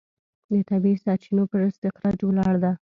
د طبیعي سرچینو پر استخراج ولاړه ده.